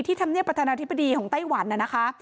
ที่ทำเนี่ยประธานาธิบดีของไต้หวันนะนะคะ